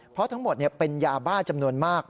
เพราะทั้งหมดเป็นยาบ้าจำนวนมาก